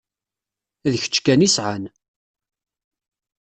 D kečč kan i sɛan.